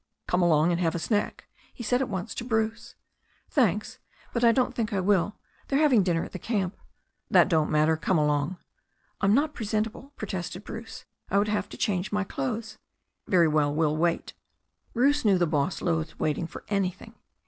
"Come along and have a snack," he said at once to Bruce. "Thanks, but I don't think I will. They're having dinner at the camp." "That don't matter. Come along." "I'm not presentable," protested Bruce. "I would have to change my clothes." "Very well, we'll wait." Bruce knew the boss loathed waiting for anything.